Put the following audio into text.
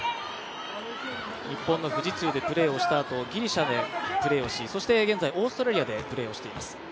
日本の富士通でプレーをしたあとギリシャでプレーをしてそして現在オーストラリアでプレーしています。